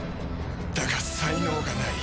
だが才能がない。